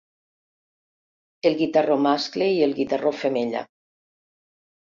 El guitarró mascle i el guitarró femella.